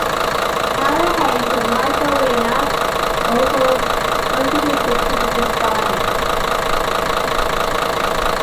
Howard Heys and Michael Wiener also contributed to the design.